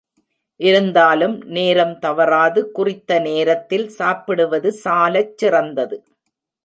இருந்தாலும், நேரம் தவறாது குறித்த நேரத்தில் சாப்பிடுவது சாலச் சிறந்தது.